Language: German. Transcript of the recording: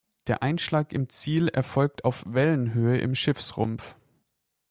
Der Einschlag im Ziel erfolgt auf Wellenhöhe im Schiffsrumpf.